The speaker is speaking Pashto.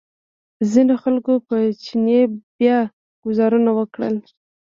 ځینو خلکو په چیني بیا ګوزارونه وکړل.